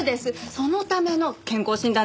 そのための健康診断ですよ。